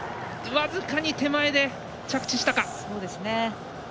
僅かに手前で着地したか。